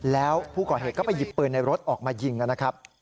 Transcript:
แล้วผู้ก่อเหตุก็ไปหยิบปืนในรถออกมายิงนะครับ